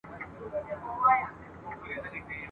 د ایوب خان نوم به ځلانده پاته سوی وي.